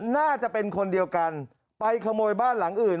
น่าจะเป็นคนเดียวกันไปขโมยบ้านหลังอื่น